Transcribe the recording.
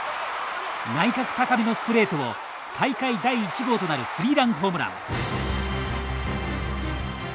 内角高めのストレートを大会第１号となるスリーランホームラン。